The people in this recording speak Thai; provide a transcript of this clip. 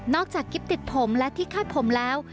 จากกิ๊บติดผมและที่คาดผมแล้ว